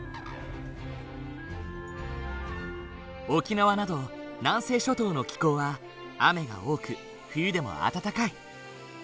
沖縄など南西諸島の気候は雨が多く冬でも暖かい。